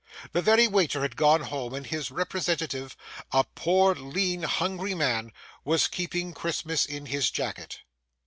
The very waiter had gone home; and his representative, a poor, lean, hungry man, was keeping Christmas in his jacket.